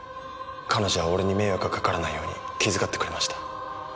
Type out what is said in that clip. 彼女は俺に迷惑がかからないように気遣ってくれました。